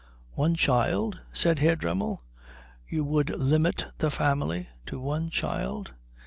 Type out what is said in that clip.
"One child?" said Herr Dremmel. "You would limit the family to one child?